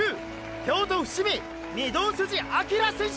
京都伏見御堂筋翔選手！！」